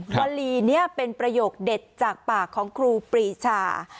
วลีนี้เป็นประโยคเด็ดจากปากของครูปรีชา